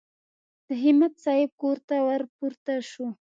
د همت صاحب کور ته ور پورته شوو.